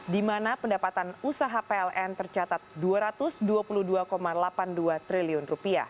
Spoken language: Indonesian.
di mana pendapatan usaha pln tercatat rp dua ratus dua puluh dua delapan puluh dua triliun